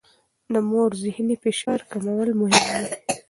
د مور ذهني فشار کمول مهم دي.